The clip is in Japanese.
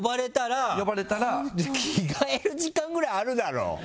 着替える時間ぐらいあるだろう。